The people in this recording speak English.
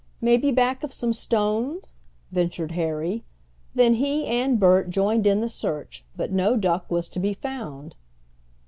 "Maybe back of some stones," ventured Harry. Then he and Bert joined in the search, but no duck was to be found.